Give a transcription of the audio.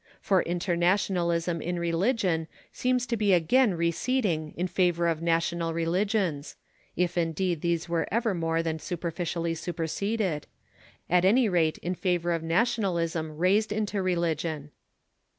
For internationalism in religion seems to be again receding in favour of national religions (if, indeed, these were ever more than superficially superseded), at any rate in favour of nationalism raised into religion.